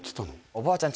おばあちゃん